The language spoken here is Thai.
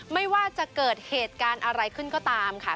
ไม่ว่าจะเกิดเหตุการณ์อะไรขึ้นก็ตามค่ะ